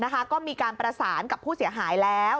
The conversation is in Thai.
ก็มีการประสานกับผู้เสียหายแล้ว